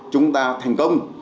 chúng ta thành công